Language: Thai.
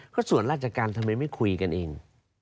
ก็ส่วนราชการทำไมไม่คุยกันเอง